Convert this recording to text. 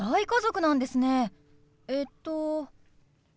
えっと？